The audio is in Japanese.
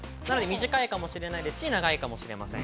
短いかもしれないし長いかもしれません。